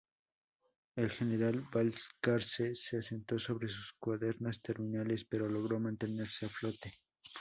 El "General Balcarce" se asentó sobre sus cuadernas terminales, pero logró mantenerse a flote.